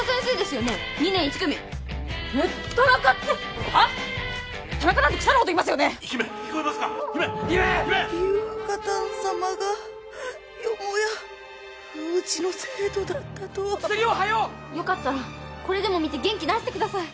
よかったらこれでも見て元気出してください